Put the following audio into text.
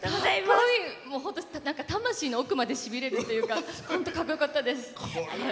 本当に魂の奥までしびれるというかかっこよかったです。